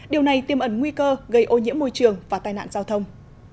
điều này tiêm ẩn nguy cơ gây ô nhiễm môi trường và tai nạn giao thông